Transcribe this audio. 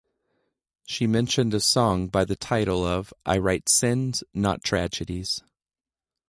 She mentioned a song by the title of I Write Sins Not Tragedies.